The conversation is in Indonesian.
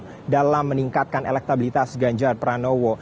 dan yang ketiga adalah mengembangkan elektabilitas ganjar pranowo